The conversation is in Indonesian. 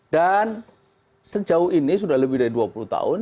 dan sejauh ini sudah lebih dari dua puluh tahun